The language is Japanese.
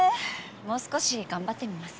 もう少し頑張ってみます。